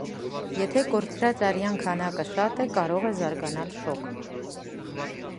Եթե կորցրած արյան քանակը շատ է, կարող է զարգանալ շոկ։